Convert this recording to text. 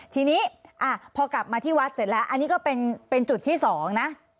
ทีนี้พอกลับมาที่วัดเสร็จแล้วอันนี้ก็เป็นจุดที่๒นะ